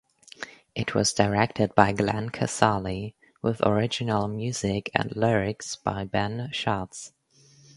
It was directed by Glenn Casale with original music and lyrics by Ben Schatz.